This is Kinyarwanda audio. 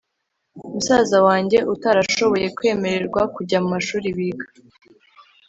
musaza wange utarashoboye kwemererwa kujya mu mashuri biga